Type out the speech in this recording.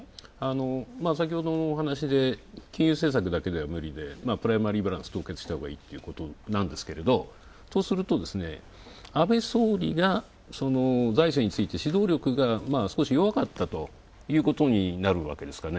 先ほどもお話で金融政策だけでは無理でプライマリーバランス、凍結したほうがいいとなんですけれども、とするとですね、安倍総理がその財政について指導力が少し弱かったということになるわけですかね。